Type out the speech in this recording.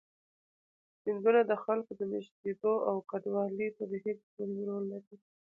سیندونه د خلکو د مېشتېدو او کډوالۍ په بهیر کې مهم رول لري.